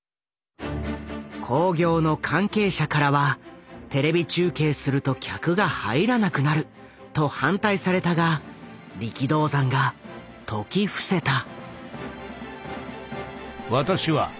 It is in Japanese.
興行の関係者からはテレビ中継すると客が入らなくなると反対されたが力道山が説き伏せた。